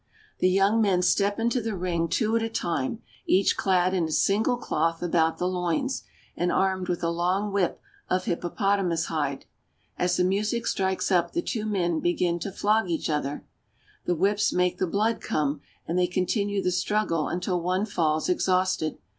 The young men step into the ring two at a time, each clad in a single cloth about the loins, and armed with a long whip of hippopotamus hide. As the music strikes up the two begin to flog each other. The whips make the blood come, and they continue the struggle until one falls exhausted.